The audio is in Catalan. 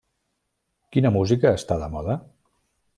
Quina música està de moda?